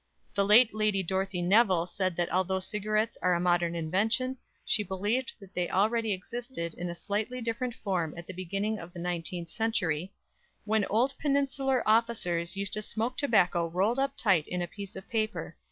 The late Lady Dorothy Nevill said that although cigarettes are a modern invention, she believed that they already existed in a slightly different form at the beginning of the nineteenth century, "when old Peninsular officers used to smoke tobacco rolled up tight in a piece of paper.